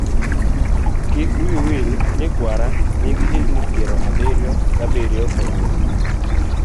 kik wiyi wil ni kwara nigi higni piero abiriyo ga biriyo kawuono.